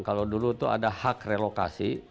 kalau dulu itu ada hak relokasi